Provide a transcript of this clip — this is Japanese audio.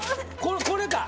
これか。